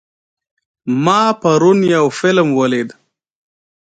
ما پرون یو فلم ولید.